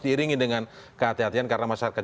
diiringi dengan kehatian kehatian karena masyarakat